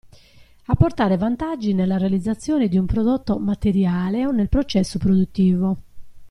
Apportare vantaggi nella realizzazione di un prodotto materiale o nel processo produttivo.